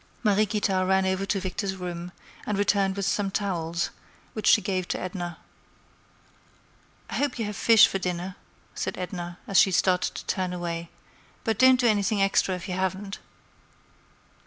Mariequita ran over to Victor's room, and returned with some towels, which she gave to Edna. "I hope you have fish for dinner," said Edna, as she started to walk away; "but don't do anything extra if you haven't."